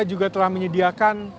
juga telah menyediakan